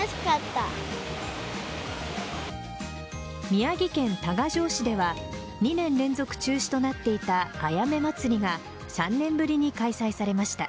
宮城県多賀城市では２年連続中止となっていたあやめ祭りが３年ぶりに開催されました。